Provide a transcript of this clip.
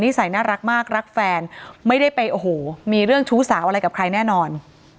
สัยน่ารักมากรักแฟนไม่ได้ไปโอ้โหมีเรื่องชู้สาวอะไรกับใครแน่นอน